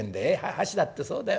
箸だってそうだよ。